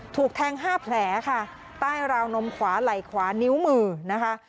ถูกแทง๕แผลค่ะใต้ราวนมขวาไหล่ขวานิ้วมือนะคะ